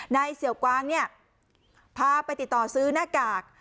เสี่ยวกวางเนี่ยพาไปติดต่อซื้อหน้ากาก